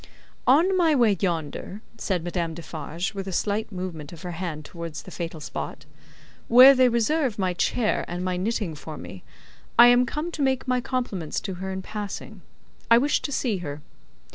"On my way yonder," said Madame Defarge, with a slight movement of her hand towards the fatal spot, "where they reserve my chair and my knitting for me, I am come to make my compliments to her in passing. I wish to see her."